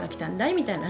みたいなね